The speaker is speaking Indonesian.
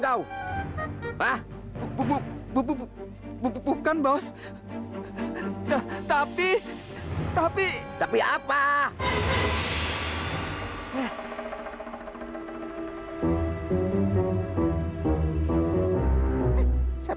gak usah takut